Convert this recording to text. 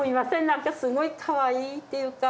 なんかすごいかわいいっていうか。